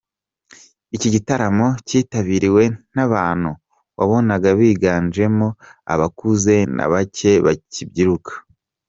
Iki gitaramo cyitabiriwe n’abantu wabonaga biganjemo abakuze na bake bakibyiruka.